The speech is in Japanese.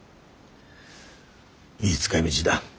いい使いみぢだ。